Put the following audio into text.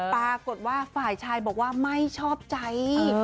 ปรากฏว่าฝ่ายชายบอกว่าไม่ชอบใจ